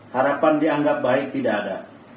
harapan dianggap baik tidak ada